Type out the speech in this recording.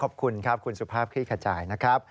ขอบคุณครับคุณสุภาพคลี่ขจายนะครับ